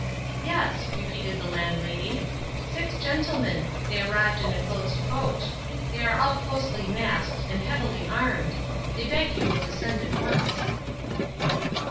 "Yes," repeated the Landlady, "six gentlemen. They arrived in a closed coach. They are all closely masked and heavily armed. They beg you will descend at once."